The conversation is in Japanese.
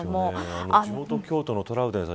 地元が京都のトラウデンさん